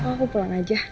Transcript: aku pulang aja